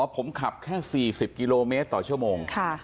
ผมขับแค่๔๐กิโลเมตรต่อชั่วโมง